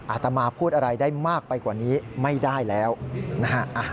อาตมาพูดอะไรได้มากไปกว่านี้ไม่ได้แล้วนะฮะ